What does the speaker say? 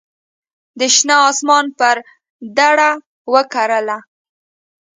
د شنه اسمان پر دړه وکرله